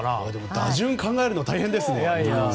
打順を考えるのが大変ですね。